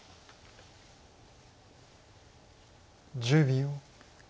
１０秒。